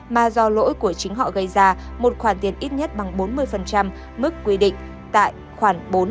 mà do lỗi của chính họ gây ra một khoản tiền ít nhất bằng bốn mươi mức quy định tại khoảng bốn mươi